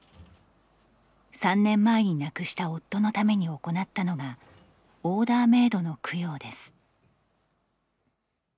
３年前に亡くした夫のために行ったのがオーダーメードの供養です。